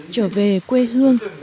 trở về quê hương